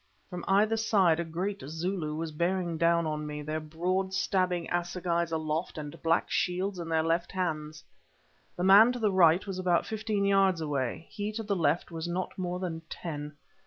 From either side a great Zulu was bearing down on me, their broad stabbing assegais aloft, and black shields in their left hands. The man to the right was about fifteen yards away, he to the left was not more than ten.